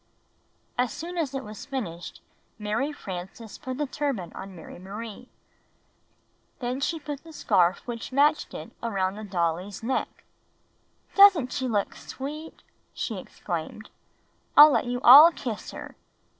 As soon as it was finished, Mary Frances put the turban on Mary Marie. Then she put the scarf which matched it around the dolly's neck. "Doesn't she look sweet!" she exclaimed. "I'll let you all kiss her."